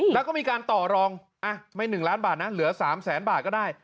แล้วก็มีการต่อรองไม่๑ล้านบาทนะเหลือ๓แสนบาทก็ได้